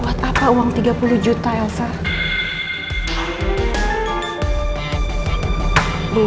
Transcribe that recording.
buat bayar preman yang waktu itu aku suruh menghalangi ke rafa elman